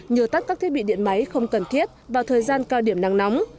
như tắt các thiết bị điện máy không cần thiết vào thời gian cao điểm nắng nóng